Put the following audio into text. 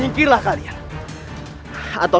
tapi putih prabu masih belum sadar